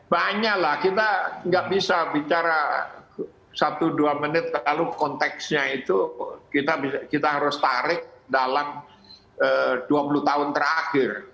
banyak lah kita nggak bisa bicara satu dua menit lalu konteksnya itu kita harus tarik dalam dua puluh tahun terakhir